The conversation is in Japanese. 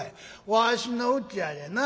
わしのうちやでな。